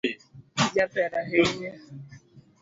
Ijaber ahinya